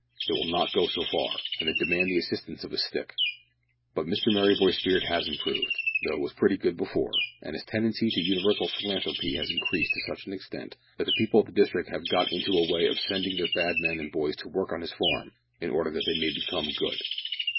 They will not go so far, and they demand the assistance of a stick. But Mr Merryboy's spirit has improved though it was pretty good before, and his tendency to universal philanthropy has increased to such an extent that the people of the district have got into a way of sending their bad men and boys to work on his farm in order that they may become good!